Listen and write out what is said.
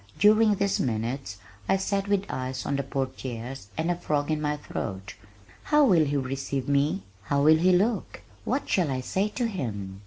During these minutes I sat with eyes on the portieres and a frog in my throat. "How will he receive me? How will he look? What shall I say to him?"